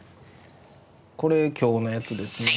これ今日のやつですね。